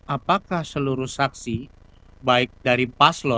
apakah seluruh saksi baik dari paslo